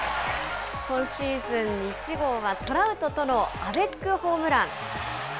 今シーズン１号はトラウトとのアベックホームラン。